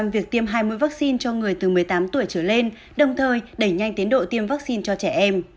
một trăm linh việc tiêm hai mũi vaccine cho người từ một mươi tám tuổi trở lên đồng thời đẩy nhanh tiến độ tiêm vaccine cho trẻ em